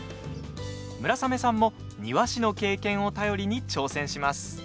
村雨さんも庭師の経験を頼りに挑戦します。